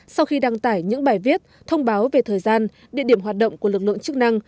sau khi đăng tải những bài viết thông báo về thời gian địa điểm hoạt động của lực lượng chức năng